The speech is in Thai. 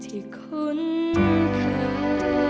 ที่คุ้นเคย